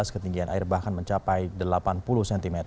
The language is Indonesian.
ketinggian air bahkan mencapai delapan puluh cm